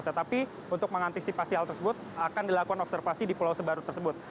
tetapi untuk mengantisipasi hal tersebut akan dilakukan observasi di pulau sebaru tersebut